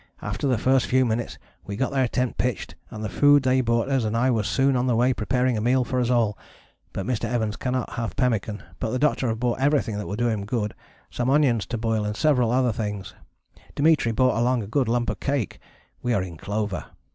After the first few minutes we got their tent pitched and the food they brought us I was soon on the way preparing a meal for us all, but Mr. Evans cannot have pemmican, but the Doctor have brought everything that will do him good, some onions to boil and several other things. Dimitri brought along a good lump of cake: we are in clover.